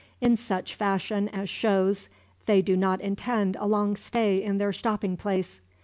In such fashion as shows, they do not intend a long stay in their stopping place.